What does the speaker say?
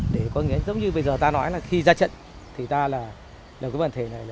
để có nghĩa giống như bây giờ ta nói là khi ra trận thì ta là lập cái bàn thề này